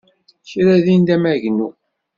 Kra din d amagnu.